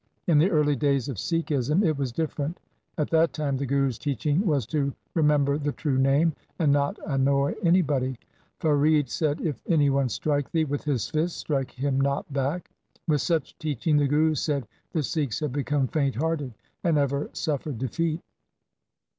In the early days of Sikhism it was different. At that time the Guru's teaching was to remember the true Name and not annoy anybody. Farid said, ' If any one strike thee with his fists, strike him not back.' With such teaching, the Guru said, the Sikhs had become faint hearted and ever suffered defeat.